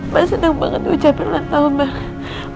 mbak seneng banget ucapin lantau mbak